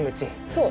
そう。